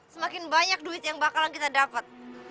semakin banyak duit yang bakalan kita dapat